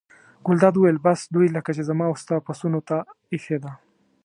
ګلداد وویل: بس دوی لکه چې زما او ستا پسونو ته اېښې ده.